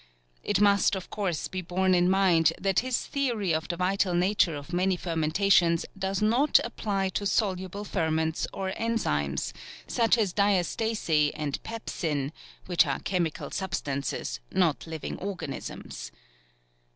It must, of course, be borne in mind that his theory of the vital nature of many fermentations does not apply to soluble ferments or enzymes such as diastase and pepsin which are chemical substances, not living organisms.